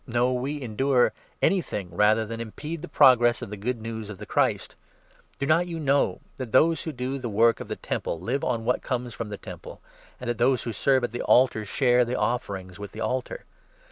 No, we endure anything rather than impede the progress of the Good News of the Christ. Do not 13 you know that those who do the work of the Temple live on what comes from the Temple, and that those who serve at the altar share the offerings with the altar